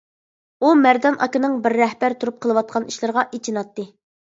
ئۇ مەردان ئاكىنىڭ بىر رەھبەر تۇرۇپ قىلىۋاتقان ئىشلىرىغا ئېچىناتتى.